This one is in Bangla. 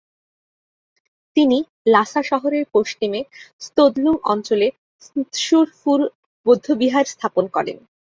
তিনি লাসা শহরের পশ্চিমে স্তোদ-লুং অঞ্চলে ম্ত্শুর-ফু বৌদ্ধবিহার স্থাপন করেন।